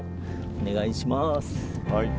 お願いします。